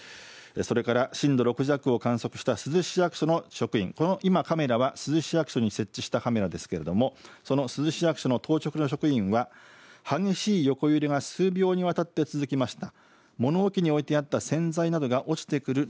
それから震度６弱を観測した珠洲市役所の職員、今カメラは珠洲市役所に設置したカメラですけどもその珠洲市役所の当直の職員は激しい横揺れが数秒にわたって続きました。